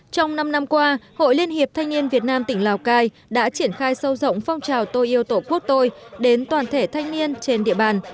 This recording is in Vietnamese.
trong năm năm qua hội liên hiệp thanh niên việt nam tỉnh lào cai đã triển khai sâu rộng phong trào tôi yêu tổ quốc tôi đến toàn thể thanh niên trên địa bàn